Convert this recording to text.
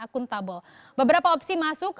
akuntabel beberapa opsi masuk